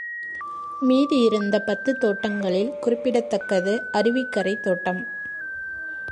மீதியிருந்த பத்து தோட்டங்களில் குறிப்பிடத்தக்கது அருவிக்கரைத்தோட்டம்.